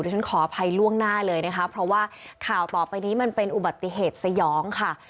ฉันขออภัยล่วงหน้าเลยนะคะเพราะว่าข่าวต่อไปนี้มันเป็นอุบัติเหตุสยองค่ะ